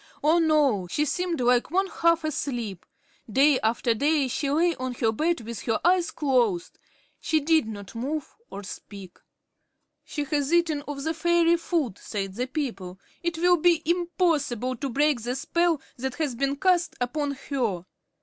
Oh, no! She seemed like one half asleep. Day after day she lay on her bed with her eyes closed. She did not move or speak. "She has eaten of the fairy food," said the people. "It will be impossible to break the spell that has been cast upon her."